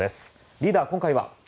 リーダー、今回は。